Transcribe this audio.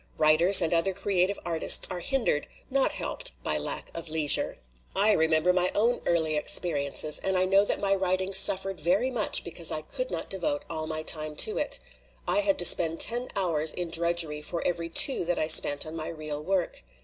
Writers and other creative artists are hindered, not helped, by lack of leisure. "I remember my own early experiences, and I know that my writing suffered very much because I could not devote all my time to it. I had to spend ten hours in drudgery for every two that I spent on my real work.